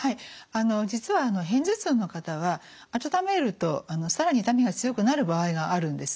あの実は片頭痛の方は温めると更に痛みが強くなる場合があるんですね。